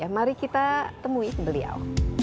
mari kita temui beliau